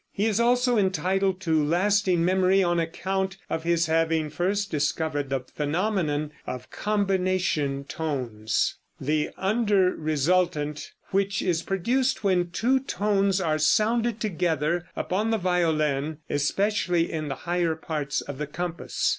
He is also entitled to lasting memory on account of his having first discovered the phenomenon of "combination tones," the under resultant which is produced when two tones are sounded together upon the violin, especially in the higher parts of the compass.